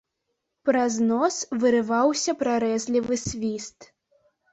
Праз нос вырываўся прарэзлівы свіст.